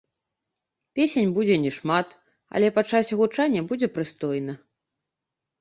Песень будзе не шмат, але па часе гучання будзе прыстойна.